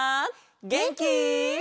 げんき？